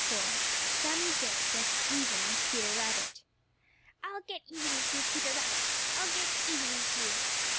*IV* *SAMMY JAY GETS EVEN WITH PETER RABBIT* "I'll get even with you, Peter Rabbit! I'll get even with you!"